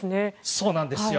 そうなんですよ。